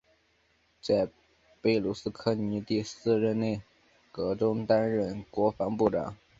在贝鲁斯柯尼第四任内阁中担任国防部长。